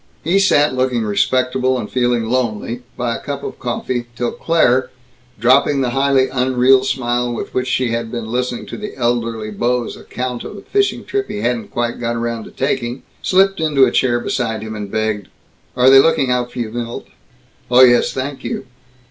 He sat looking respectable and feeling lonely, by a cup of coffee, till Claire dropping the highly unreal smile with which she had been listening to the elderly beau's account of a fishing trip he hadn't quite got around to taking slipped into a chair beside him and begged, "Are they looking out for you, Milt?" "Oh yes, thank you."